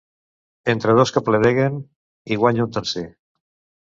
Entre dos que pledegen hi guanya un tercer.